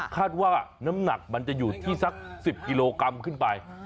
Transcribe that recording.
ว่าน้ำหนักมันจะอยู่ที่สัก๑๐กิโลกรัมขึ้นไป